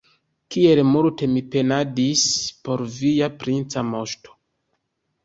Kiel multe mi penadis por via princa moŝto!